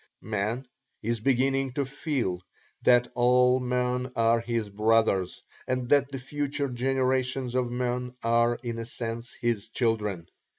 Man is beginning to feel that all men are his brothers, and that the future generations of men are in a sense his children.